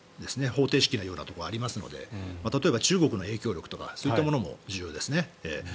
方程式のようなところがありますので例えば、中国の影響力とかそういったものも重要ですね。